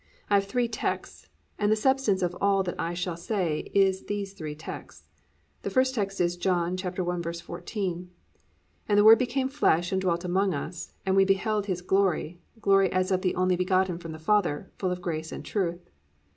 I have three texts, and the substance of all that I shall say is these three texts. The first text is John 1:14: +"And the word became flesh, and dwelt among us (and we beheld his glory, glory as of the only begotten from the Father), full of grace and truth."